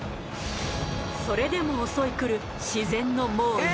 それでも襲い来る自然の猛威。